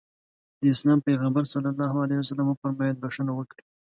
د اسلام پيغمبر ص وفرمايل بښنه وکړئ.